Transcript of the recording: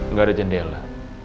gak ada jendela